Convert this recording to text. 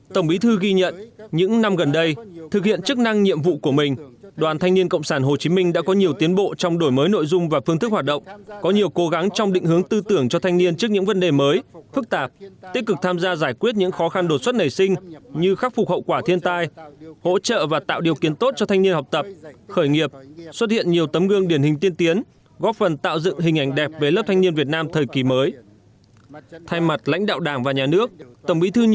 tổng bí thư ghi nhận những năm gần đây thực hiện chức năng nhiệm vụ của mình đoàn thanh niên cộng sản hồ chí minh đã có nhiều tiến bộ trong đổi mới nội dung và phương thức hoạt động có nhiều cố gắng trong định hướng tư tưởng cho thanh niên trước những vấn đề mới phức tạp tích cực tham gia giải quyết những khó khăn đột xuất nảy sinh như khắc phục hậu quả thiên tai hỗ trợ và tạo điều kiến tốt cho thanh niên học tập khởi nghiệp xuất hiện nhiều tấm gương điển hình tiên tiến góp phần tạo dựng hình ảnh đẹp về lớp thanh niên việt nam thời